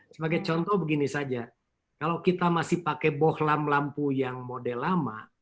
sebagai contoh begini saja kalau kita masih pakai bohlam lampu yang model lama